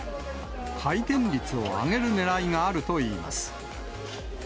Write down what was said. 回転率を上げるねらいがあるといいます。